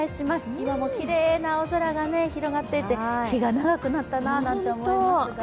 今もきれいな青空が広がっていて、日が長くなったなと思いますが。